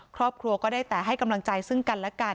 ครอบครัวก็ได้แต่ให้กำลังใจซึ่งกันและกัน